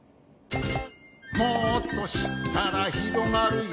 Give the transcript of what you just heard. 「もっとしったらひろがるよ」